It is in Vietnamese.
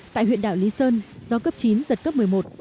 tại huyện đảo lý sơn gió cấp chín giật cấp một mươi một